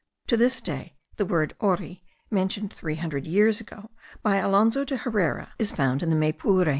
To this day the word auri, mentioned three hundred years ago by Alonzo de Herrera, is found in the Maypure.